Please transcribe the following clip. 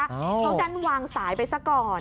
เพราะก็วางสายไปซะก่อน